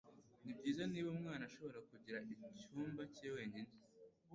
Nibyiza niba umwana ashobora kugira icyumba cye wenyine.